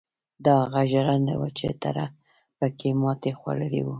دا هغه ژرنده وه چې تره پکې ماتې خوړلې وه.